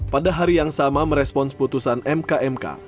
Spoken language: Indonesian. pada hari yang sama merespons putusan mk mk